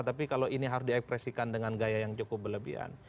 tapi kalau ini harus diekspresikan dengan gaya yang cukup berlebihan